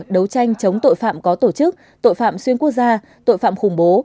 đấu tranh chống tội phạm có tổ chức tội phạm xuyên quốc gia tội phạm khủng bố